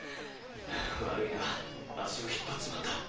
悪いな足を引っ張っちまった。